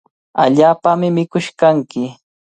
Allaapami mikush kanki.